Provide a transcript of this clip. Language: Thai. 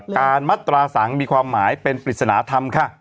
มัตราสังมีความหมายเป็นปริศนธรรมค่ะ